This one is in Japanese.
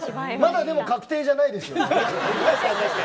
まだ確定じゃないですよね。